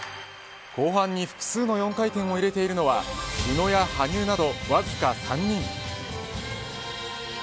後半に複数の４回転を入れているのは宇野や羽生など、わずか３人。